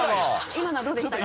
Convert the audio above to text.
今のはどうでしたか？